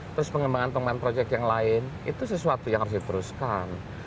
terus pengembangan pengembangan proyek yang lain itu sesuatu yang harus diteruskan